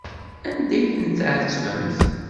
Anda ay ten-tɛettbemt?